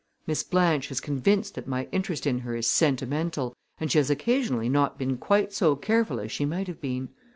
Miss Blanche is convinced that my interest in her is sentimental and she has occasionally not been quite so careful as she might have been.